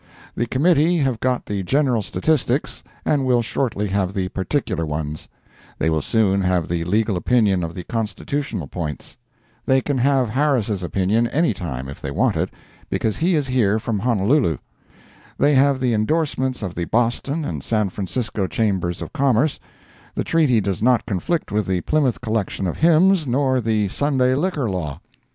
The Committee have got the general statistics and will shortly have the particular ones; they will soon have the legal opinion on the constitutional points; they can have Harris' opinion any time, if they want it, because he is here from Honolulu; they have the endorsements of the Boston and San Francisco Chambers of Commerce; the treaty does not conflict with the Plymouth Collection of Hymns, nor the Sunday liquor law.